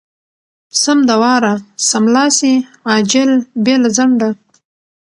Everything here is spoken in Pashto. سم د واره= سملاسې، عاجل، بې له ځنډه.